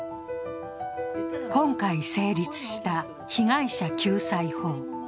今回成立した被害者救済法。